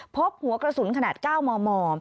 พบหัวกระสุนขนาด๙มม